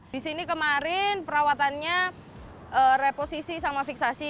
di sini kemarin perawatannya reposisi sama fiksasi